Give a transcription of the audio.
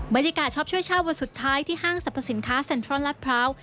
บริการช้อปช่วยช่าวันสุดท้ายที่ห้างสรรพสินค้าเซ็นทรอนและพร้าว